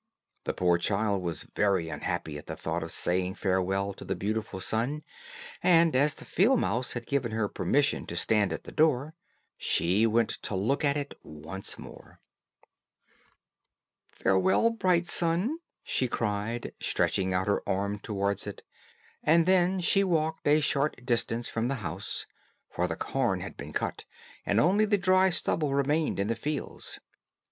The poor child was very unhappy at the thought of saying farewell to the beautiful sun, and as the field mouse had given her permission to stand at the door, she went to look at it once more. "Farewell bright sun," she cried, stretching out her arm towards it; and then she walked a short distance from the house; for the corn had been cut, and only the dry stubble remained in the fields.